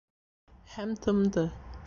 Һәм тымды.